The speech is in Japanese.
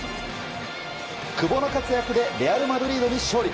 久保の活躍でレアル・マドリードに勝利。